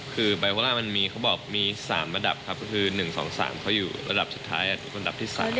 เขาเรียกว่า